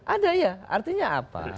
ada ya artinya apa